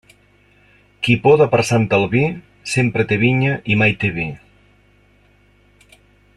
Qui poda per Sant Albí, sempre té vinya i mai té vi.